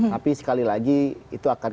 tapi sekali lagi itu akan